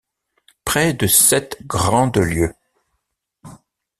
Près de sept grandes lieues.